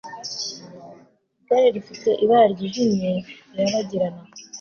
Igare rifite ibara ryijimye rirabagirana